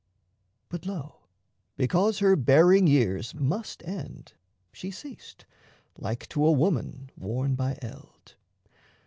But, lo, because her bearing years must end, She ceased, like to a woman worn by eld.